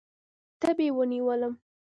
تبې ونیولم.